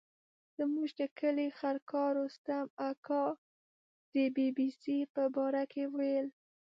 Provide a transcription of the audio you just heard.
زموږ د کلي خرکار رستم اکا د بي بي سي په باره کې ویل.